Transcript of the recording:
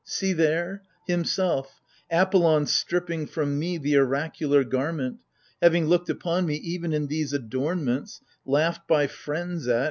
See there — himself, ApoUon stripping from me The oracular garment ! having looked upon me — Even in these adornments, laughed by friends at.